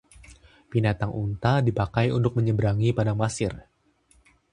binatang unta dipakai untuk menyeberangi padang pasir